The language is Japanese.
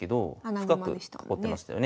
深く囲ってましたよね。